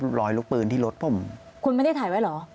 แต่ถ้าผมร้อยรถปืนที่รถผมคุณไม่ได้ถ่ายไว้หรอ